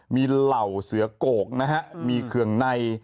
มีเหล่าเสือโกกนะฮะมีเครื่องใน